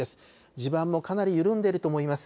地盤もかなり緩んでいると思います。